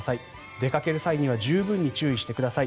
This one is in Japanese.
出かける際には十分に注意してください。